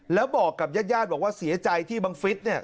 แล้วบอกกับญาติย่านบอกว่าเสียใจที่บางฟิศเนี่ย